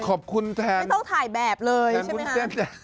ขอบคุณแทนไม่ต้องถ่ายแบบเลยใช่ไหมคะ